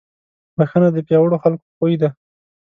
بښنه د پیاوړو خلکو خوی دی.